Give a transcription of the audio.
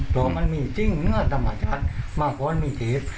เพราะมันมีสิ่งในเนื้อต่างหากมาพรมีเทศ